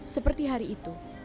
seperti hari itu